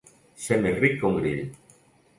Ser més ric que un grill.